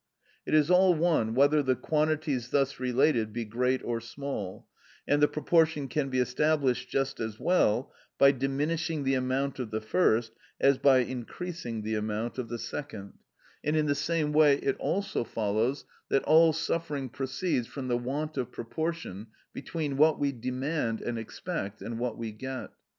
It is all one whether the quantities thus related be great or small, and the proportion can be established just as well by diminishing the amount of the first as by increasing the amount of the second; and in the same way it also follows that all suffering proceeds from the want of proportion between what we demand and expect and what we get.